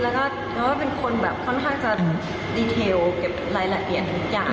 แล้วก็เป็นคนแบบค่อนข้างจะดีเทลเก็บรายละเอียดทุกอย่าง